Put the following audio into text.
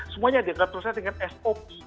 semuanya diangkat terusnya dengan sop